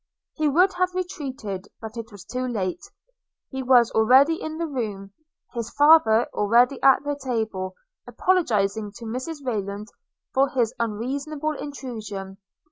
He would have retreated, but it was too late. He was already in the room – his father already at the table, apologising to Mrs Rayland for his unreasonable intrusion.